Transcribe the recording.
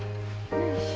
よいしょ。